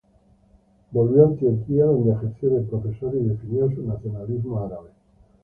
Volvió a Antioquía donde ejerció de profesor y definió su nacionalismo árabe.